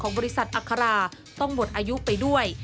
บริษัทอัคราต้องหมดอายุไปด้วย